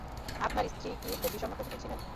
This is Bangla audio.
আপনার স্ত্রী কি খুব বিষণ্ণ প্রকৃতির ছিলেন?